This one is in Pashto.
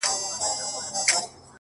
ستا د سوځلي زړه ايرو ته چي سجده وکړه-